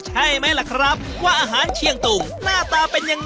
ใช่ไหมล่ะครับว่าอาหารเชียงตุงหน้าตาเป็นยังไง